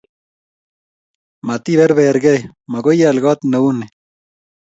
Matiperperkei, makoi ial kot ne u ni.